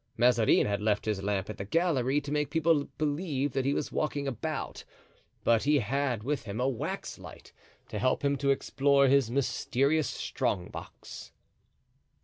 Mazarin had left his lamp in the gallery to make people believe that he was walking about, but he had with him a waxlight, to help him to explore his mysterious strong box.